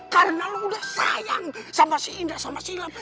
karena lu udah sayang sama si indah sama si ilham